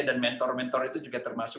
dan mentor mentor itu juga termasuk